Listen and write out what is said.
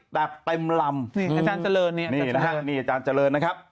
แต่เป็มล่ำนี่อาจารย์เจริญนี่นะครับนี่อาจารย์เจริญนะครับ